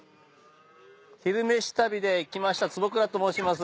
「昼めし旅」で来ました坪倉と申します。